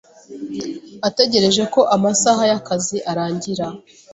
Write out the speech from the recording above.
ategereje ko amasaha y’akazi arangira